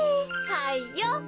はいよ！